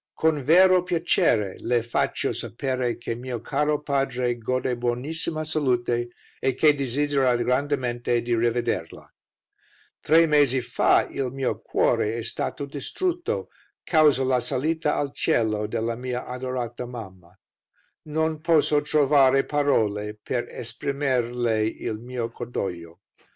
"Con vero piacere Le faccio sapere che mio caro padre gode buonissima salute e che desidera grandemente di rivederla. "Tre mesi fa il mio cuore e stato distrutto, causa la salita al cielo della mia adorata mamma. Non posso trovare parole per esprimerle il mio cordoglio.